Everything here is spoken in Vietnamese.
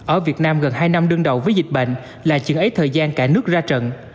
ở việt nam gần hai năm đương đầu với dịch bệnh là chừng ấy thời gian cả nước ra trận